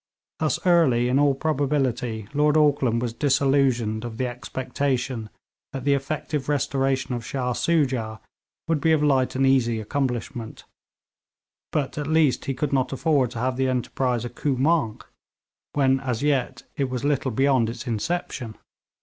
Thus early, in all probability, Lord Auckland was disillusioned of the expectation that the effective restoration of Shah Soojah would be of light and easy accomplishment, but at least he could not afford to have the enterprise a coup manqué when as yet it was little beyond its inception.